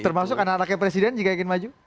termasuk anak anaknya presiden jika ingin maju